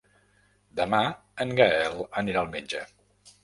Demà en Gaël anirà al metge.